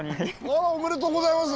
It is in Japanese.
あらおめでとうございます。